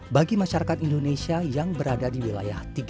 bagi masyarakat indonesia yang berada di wilayah tiga